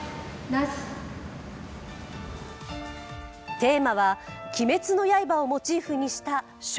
テーマは「鬼滅の刃」をモチーフにした笑